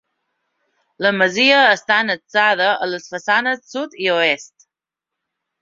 La masia està annexada a les façanes sud i oest.